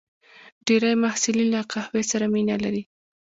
ډېری محصلین له قهوې سره مینه لري.